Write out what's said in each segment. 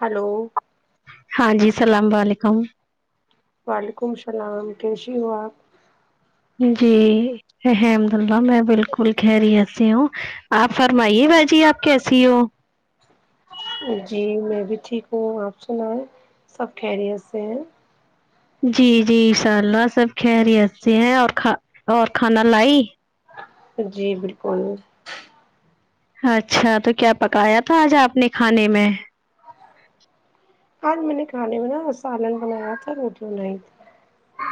hello ہاں جی السلام علیکم وعلیکم السلام کیسے ہو آپ جی الحمد اللہ میں بالکل خیریت سے ہوں آپ فرمائیے باجی آپ کیسی ہو جی میں بھی ٹھیک ہوں آپ سنا ہے سب خیریت سے ہیں جی جی انشاء اللہ سب خیریت سے ہے اور کھ اور کھانا لائی جی بالکل اچھا تو کیا پکایا تھا آج آپ نے کھانے میں آج میں نے کھانے میں نا سالن بنایا تھا روٹی بنائی تھی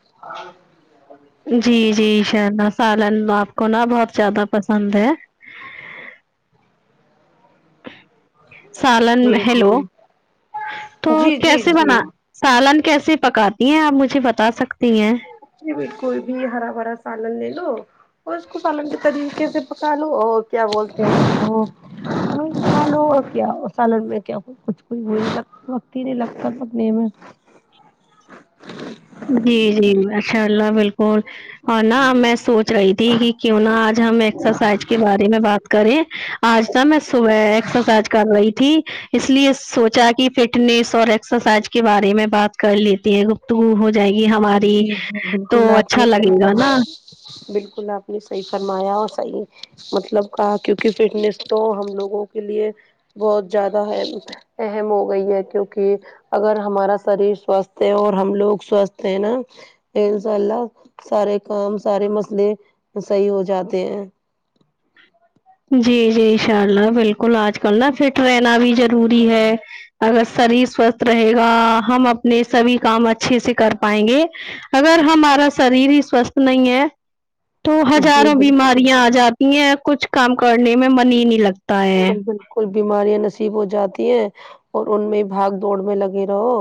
[inaudible] جی جی ان شاء اللہ سالن آپ کو نا بہت زیادہ پسند ہے سالن جی ہیلو جی تو جی جی کیسے جی بنا سالن کیسے پکاتی ہیں آپ مجھے بتا سکتی ہیں جی بالکل بھی ہرا بھرا سالن لے لو اور اس کو سالن کے طریقے سے پکا لو اور کیا بولتے ہیں کھالو اور کیا سالن میں کیا کچھ کوئی وہ وقت ہی نہیں لگتا پکنے میں جی جی اچھاء اللہ بالکل اور نہ میں سوچ رہی تھی کہ کیوں نا آج ہم ایکسرسائز کے بارے میں بات کریں آج نا میں صبح ایکسرسائز کر رہی تھی اس لیے سوچا کہ فٹنیس اور ایکسرسائز کے بارے میں بات کر لیتی ہے گفتگو ہو جائے گی ہماری جی جی تو بالکل آپ اچھا نے صحیح لگے گا فرمایا نا بالکل آپ نے صحیح فرمایا اور صحیح مطلب کہا کیونکہ فٹنیس تو ہم لوگوں کے لیے بہت زیادہ اہم اہم ہو گئی ہے کیونکہ اگر ہمارا شریر سوستھ ہے اور ہم لوگ سوستھ ہے نا ان شاء اللہ سارے کام سارے مسئلے صحیح ہو جاتے ہیں جی جی ان شاء اللہ بالکل آج کل نا فٹ رہنا بھی ضروری ہے اگر شریر سوستھ رہے گا ہم اپنے سبھی کام اچھے سے کر پائیں گے اگر ہمارا شریر ہی سوستھ نہیں ہے تو جی ہزاروں بالکل بیماریاں آجاتی ہیں کچھ کام کرنے میں من ہی نہیں لگتا ہے بالکل بیماریاں نصیب ہوجاتی ہیں اور ان میں بھاگ دوڑ میں لگے رہو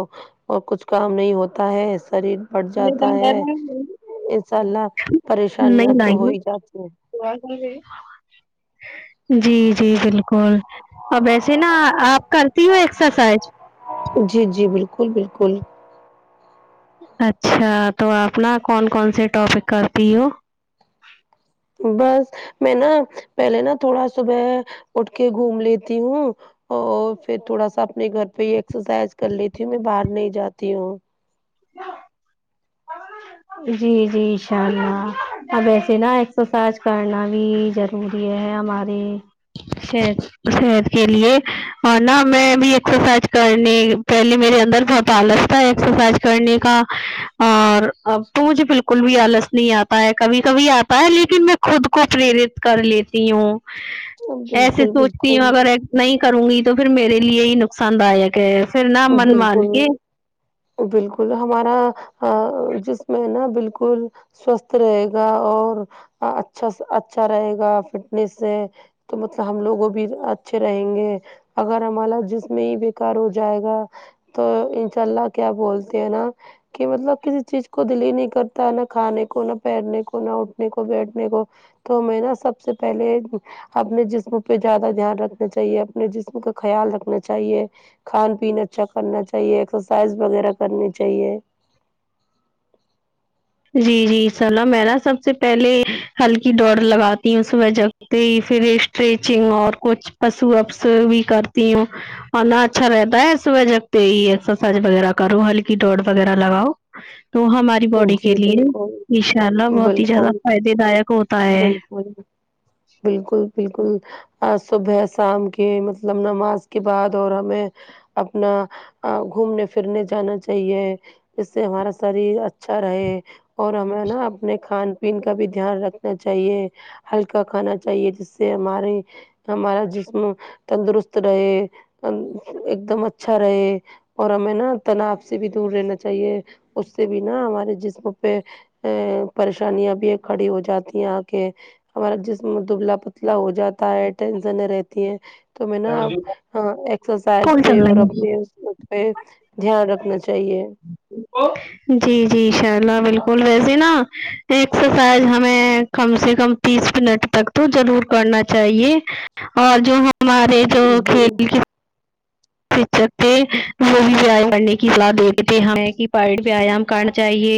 اور کچھ کام نہیں ہوتا ہے سریر بڑھ جاتا ہے ان ساء اللہ پریشانیاں نہیں تو لائیں ہو ہی جاتی ہیں جی جی بالکل اب ویسے ناں آپ کرتی ہو ایکسرسائز جی جی بالکل بالکل اچھا تو آپ ناں کون کون سے ٹاپک کرتی ہو بس میں ناں پہلے ناں تھوڑا صبح اٹھ کے گھوم لیتی ہوں اور پھر تھوڑا سا اپنے گھر پہ ہی ایکسرسائز کر لیتی ہوں میں باہر نہیں جاتی ہوں [inaudible] جی جی ان شاء اللہ اب ایسے ناں ایکسرسائز کرنا بھی ضروری ہے ہماری صحت صحت کے لیے اور ناں میں بھی ایکسرسائز کرنے پہلے میرے اندر بہت آلس تھا ایکسرسائز کرنے کا اور اب تو مجھے بالکل بھی آلس نہیں آتا ہے کبھی کبھی آتا ہے لیکن میں خود کو پریرت کر لیتی ہوں ایسے بالکل سوچتی ہوں بالکل اگر نہیں کروں گی تو پھر میرے لیے ہی نقصان دائک ہے پھر ناں من مان کے بالکل بالکل ہمارا ا جسم ہے ناں بالکل سوستھ رہے گا اور اچھا اچھا رہے گا فٹنیس سے تو مطلب ہم لوگوں بھی اچھے رہیں گے اگر ہمارا جسم میں ہی بیکار ہو جائے گا تو انشاء اللہ کیا بولتے ہیں ناں کہ مطلب کسی چیز کو دل ہی نہیں کرتا نہ کھانے کو نہ پہننے کو نہ اٹھنے کو بیٹھنے کو تو میں ناں سب سے پہلے اپنے جسم پہ زیادہ دھیان رکھنا چاہیے اپنے جسم کا خیال رکھنا چاہیے کھان پین اچھا کرنا چاہیے ایکسرسائز وغیرہ کرنی چاہیے جی جی انسا اللہ میں ناں سب سے پہلے ہلکی دوڑ لگاتی ہوں اس وجہ پھر اسٹریچنگ اور کچھ پشو اپس بھی کرتی ہوں اور ناں اچھا رہتا ہے صبح جگتے ہی ایکسرسائز وغیرہ کرو ہلکی دوڑ وغیرہ لگاؤ تو ہماری باڈی جی کے لیے بالکل ان شاء اللہ بہت ہی زیادہ بالکل فائدے دائک ہوتا ہے بالکل بالکل بالکل صبح شام کی مطلب نماز کے بعد اور ہمیں اپنا گھومنے پھرنے جانا چاہیے اس سے ہمارا شریر اچ اچھا رہے اور ہمیں ناں اپنے کھان پین کا بھی دھیان رکھنا چاہیے ہلکا کھانا چاہیے جس سے ہمارے ہمارا جسم تندرست رہے ایک دم اچھا رہے اور ہمیں ناں تناؤ سے بھی دور رہنا چاہیے اس سے بھی ناں ہمارے جسم پہ آ پریشانیاں بھی کھڑی ہوجاتی ہیں آ کے ہمارا جسم دبلا پتلا ہوجاتا ہے ٹینشن رہتی ہیں تو میں ناں ایکسرسائز کال سے چل اور رہی اپنے ہے پہ دھیان رکھنا چاہیے جی جی ان شاء اللہ بالکل ویسے ناں ایکسرسائز ہمیں کم سے کم تیس منٹ تک تو ضرور کرنا چاہیے اور جو ہمارے جو جی کھیل کے شکشک تھے وہ بھی ویایام کرنے کی صلاح دیتے تھے کہ پائٹ ویام کرنا چاہیے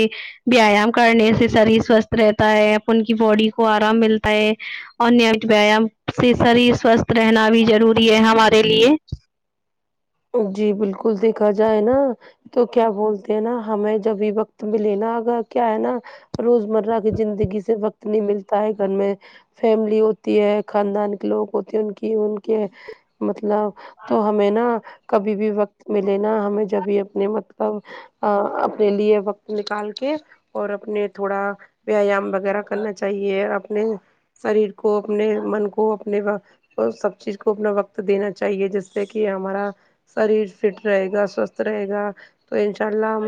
ویایام کرنے سے شریر سوستھ رہتا ہے اپن کی باڈی کو آرام ملتا ہے اور نیمت ویایام سے شریر سوستھ رہنا بھی ضروری ہے ہمارے لیے جی بالکل دیکھا جائے ناں تو کیا بولتے ہیں نا ہمیں جبھی وقت میں لینا اگر کیا ہے نا روزمرہ کی زندگی سے وقت نہیں ملتا ہے گھر میں فیملی ہوتی ہے خاندان کے لوگ ہوتے ہیں ان کی ان کے مطلب تو ہمیں نہا کبھی بھی وقت ملے نا ہمیں جبھی اپنے مت کاب اپنے لیے وقت نکال کے اور اپنے تھوڑا ویایام وغیرہ کرنا چاہیے اور اپنے شریر کو اپنے من کو اپنے اور سب چیز کو اپنا وقت دینا چاہیے جس سے کہ ہمارا شریر فٹ رہے گا سوستھ رہے گا تو انشاء اللہ ہم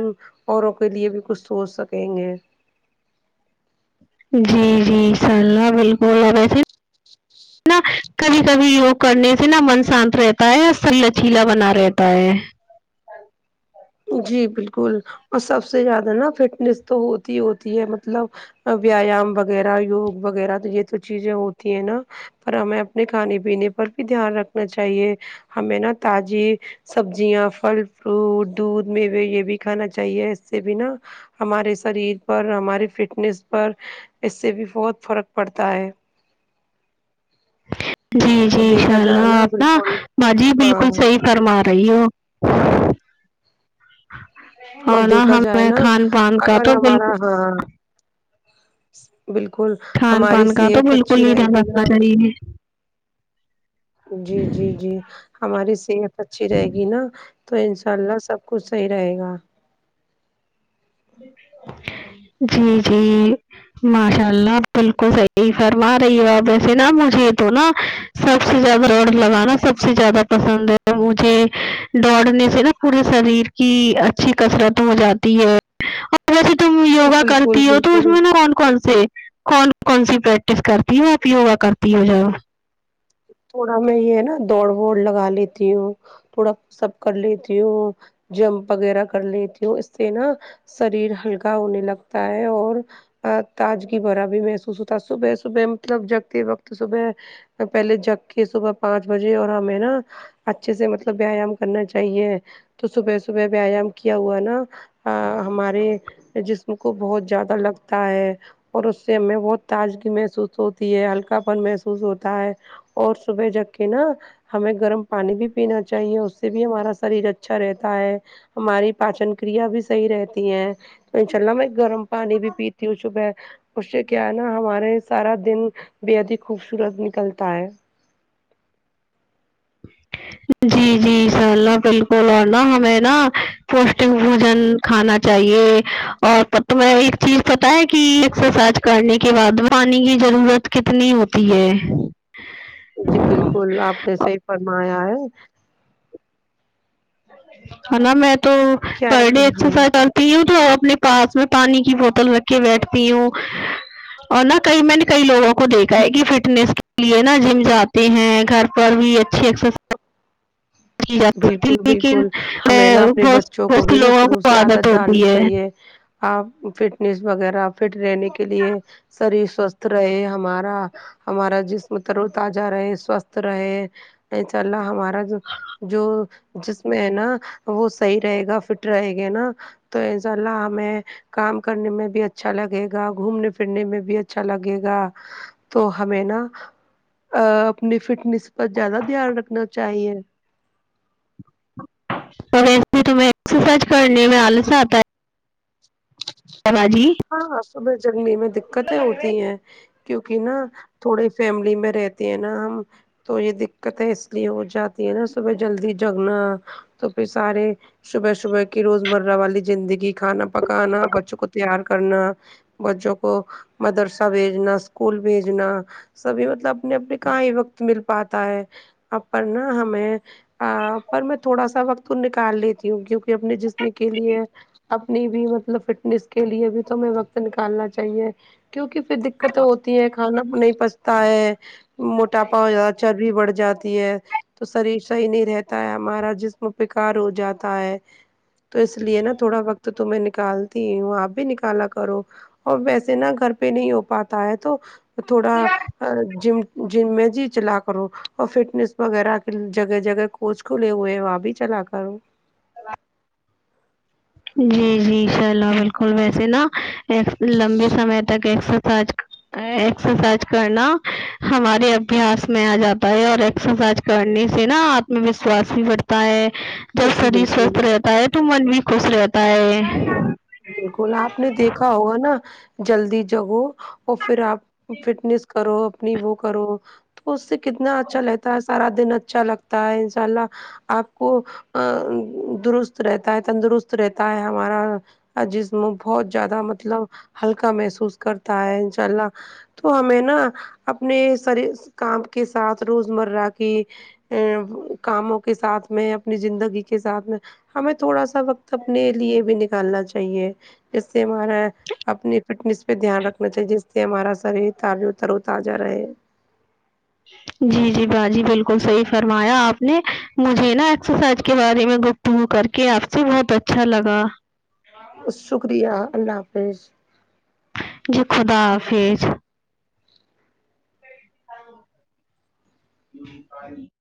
اوروں کے لیے بھی کچھ سوچ سکیں گے جی جی انشاء اللہ بالکل ا ویسے نا کبھی کبھی یوگ کرنے سے نا من شانت رہتا ہے اور سل لچیلا بنا رہتا ہے جی بالکل اور سب سے زیادہ نا فٹنیس تو ہوتی ہی ہوتی ہے مطلب ویایام وغیرہ یوگ وغیرہ تو یہ تو چیزیں ہوتی ہیں نا پر ہمیں اپنے کھانے پینے پر بھی دھیان رکھنا چاہیے ہمیں نا تازی سبزیاں پھل فروٹ دودھ موے یہ بھی کھانا چاہیے اس سے بھی نا ہمارے شریر پر ہمارے فٹنیس پر اس سے بھی بہت فرق پڑتا ہے جی اور جی ان دیکھا شاء جائے اللہ نا آپ ن بالکل با جی ہاں بالکل صحیح فرما رہی ہو اور اورنا دیکھا جائے ہمیں نا کھان پان کا اگر تو ہمارا بالکل ہاں بالکل کھان ہماری پان کا تو صحت اچھی بالکل ہی رہے دھیان گی نا رکھنا چاہیے جی جی جی ہماری صحت اچھی رہے گی نا تو ان شاء اللہ سب کچھ صحیح رہے گا [unintelligible] جی جی ماشاء اللہ آ بالکل صحیح فرما رہی ہو آپ وسے نا مجھے تو نا سب سے زیادہ دوڑ لگانا سب سے زیادہ پسند ہے مجھے دوڑنے سے نا پورے شریر کی اچھی کسرت ہو جاتی ہے اور ویسے تم یوگا بالکل کرتی ہو تو اس بالکل میں نا کون کون سے کون کون سی پریکٹس کرتی ہو آپ یوگا کرتی ہو جؤ تھوڑا میں یہ ہے نا دوڑ وڑ لگا لیتی ہوں تھوڑا سب کر لیتی ہوں جمپ وغیرہ کر لیتی ہوں اس سے نا شریر ہلکا ہونے لگتا ہے اور ا تاجگی بھرا بھی محسوس ہوتا صبح صبح مطلب جگتے وقت صبح پہلے جگ کے صبح پانچ بجے اور ہمیں نا اچھے سے مطلب ویایام کرنا چاہیے تو صبح صبح ویایام کیا ہوا ہے نا ہمارے جسم کو بہت زیادہ لگتا ہے اور اس سے ہمیں بہت تازگی محسوس ہوتی ہے ہلکا پن محسوس ہوتا ہے اور صبح جگ کے نا ہمیں گرم پانی بھی پینا چاہیے اس سے بھی ہمارا شریر اچھا رہتا ہے ہماری پاچن کریا بھی صحیح رہتی ہے تو انشاء اللہ میں گرم پانی بھی پیتی ہوں صبح اس سے کیا ہے نا ہمارے سارا دن بےحد ہی خوبصورت نکلتا ہے [unintelligible] جی جی ان شاء اللہ بالکل اور نا ہمیں نا پوشٹک بھوجن کھانا چاہیے اورٹ تمہیں ایک چیز پتا ہے کہ ایکز سائز کرنے کے بعد پانی کی ضرورت کتنی ہوتی ہے جی بالکل آپ نے صحیح فرمایا ہے ہے نا میں تو کیا پر ہے ڈے نا ایکزسایز ہاں کر تی ہوں تو اپنے پاس میں پانی کی بوتل رکھ کے بیٹھتی ہوں اور نہ کئی میں نے کئی لوگوں کو دیکھا ہے کہ فٹنیس کے اس لیے نا جم جاتے ہیں گھر پر بھی اچھی ایکز بالکل لیکن بالکل ہمیں نا اپنے بہت بچوں کو بہت سے بھی نا لوگوں شروع کو سے عادت ڈالنی ہوتی ہے چاہیے اپ فٹنیس وغیرہ فٹ رہنے کے لیے شریر سوست رہے ہمارا ہمارا جسم تر و تازہ رہے سوسست رہے انشاءاللہ ہمارا جو جسم ہے نا وہ صحیح رہے گا فٹ رہے گے نا تو انشاءاللہ ہمیں کام کرنے میں بھی اچھا لگے گا گھومنے پھرنے میں بھی اچھا لگے گا تو ہمیں نا اپنی فٹنیس پر زیادہ دھیان رکھنا چاہیے پہلے سے تمہیں ایکسز سائز کرنے میں الس اتا ہے پر ہاں جی ہاں صبح جگنے میں دقتیں ہوتی ہیں کیوکہ نا تھوڑے فیملی میں رہتے ہیں نا ہم تو یہ دقتیں اس لیے ہو جاتی ہے نا صبح جلدی جگنا تو پھر سارے صبح صبح کی روزمرہ والی زندگی کھانا پکانا بچوں کو تیار کرنا بچوں کو مدرسہ بھیجنا اسکول بھیجنا سبھی مطلب اپنے اپنے کہاں ہی وقت مل پاتا ہے ا پر نا ہمیں پر میں تھوڑا سا وقت نکال لیتی ہوں کیونکہ اپنے جسم کے لیے اپنی بھی مطلب فٹ نس کے لیے بھی تو ہمیں وقت نکالنا چاہیے کیونکہ پھر دقتئیں ہوتی ہے کھانا نہیں پچتا ہے موٹاپا ہو جاتا چربی بڑھ جاتی ہے تو شریر صحیح نہیں رہتا ہے ہمارا جسم بیکار ہو جاتا ہے تو اس لیے نا تھوڑا وقت تو میں نکال تی ہوں اپ بھی نکالا کرو اور ویسے نا گھر پہ نہیں ہو پاتا ہے تو تھوڑا جم جم میں جی چلا کرو اور فٹنیس وغیرہ کی جگہ جگہ کوچ کھلے ہوئے ہے وہاں بھی چلا کر صبا جی جی ان شاء اللہ بالکل ویسے نا لمبے سمے تک ایکسز سائز ایکسز سائز کرنا ہمارے ابھیاس میں ا جاتا ہے اور ایکسز سائز کرنے سے نا اتما وشواس بھی بڑھتا ہے جب جی شریر بالکل سوست رہتا ہے تو من بھی خوش رہتا ہے بالکل اپ نے دیکھا ہوگا نا جلدی جگو اور پھر آپ فٹنیس کرو اپنی وہ کرو تو اس سے کتنا اچھا رہتا ہے سب سارا دن اچھا لگتا ہے ان شاء اللہ اپ کو ا درست رہتا ہے تندرست رہتا ہے ہمارا جسم بہت زیادہ مطلب ہلکا محسوس کرتا ہے انشاء اللہ تو ہمیں نا اپنے سری کام کے ساتھ روزمرہ کی ا کاموں کے ساتھ میں اپنی زندگی کے ساتھ میں ہمیں تھوڑا سا وقت اپنے لیے بھی نکالنا چاہیے جس سے ہمارا اپنی فٹنیس پہ دھیان رکھنا چاہیے جس سے ہمارا شریر تارترو تازہ رہے جی جی باجی بالکل صحیح فرمایا اپ نے مجھے نا ایکسرسائز کے بارے میں وہ کر کے اپ سے بہت اچھا لگا شکریہ اللہ حافظ جی خدا حافظ شیفالے